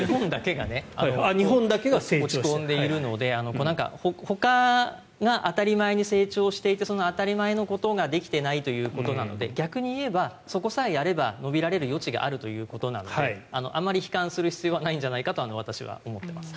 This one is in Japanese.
日本だけが落ち込んでいるのでほかが当たり前に成長していてその当たり前のことができていないということなので逆に言えばそこさえやれば伸びる余地があるということなのであまり悲観する必要はないんじゃないかと私は思っています。